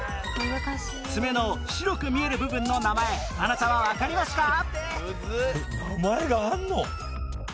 爪の白く見える部分の名前あなたはわかりますか？